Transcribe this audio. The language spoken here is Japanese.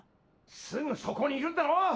・すぐそこにいるんだろ？